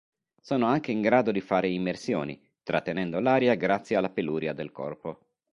Sono anche in grado di fare immersioni, trattenendo l'aria grazie alla peluria del corpo.